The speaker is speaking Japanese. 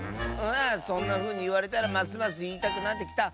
そんなふうにいわれたらますますいいたくなってきた。